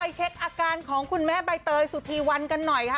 เช็คอาการของคุณแม่ใบเตยสุธีวันกันหน่อยค่ะ